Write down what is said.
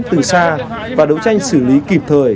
từ xa và đấu tranh xử lý kịp thời